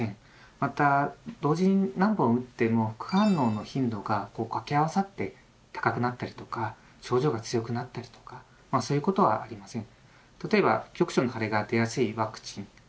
また同時に何本打っても副反応の頻度が掛け合わさって高くなったりとか症状が強くなったりとかそういうことはありません。